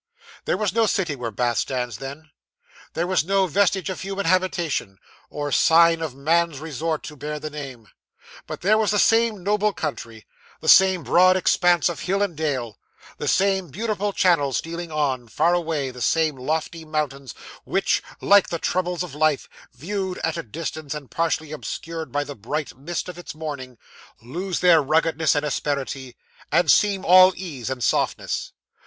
'There was no city where Bath stands, then. There was no vestige of human habitation, or sign of man's resort, to bear the name; but there was the same noble country, the same broad expanse of hill and dale, the same beautiful channel stealing on, far away, the same lofty mountains which, like the troubles of life, viewed at a distance, and partially obscured by the bright mist of its morning, lose their ruggedness and asperity, and seem all ease and softness.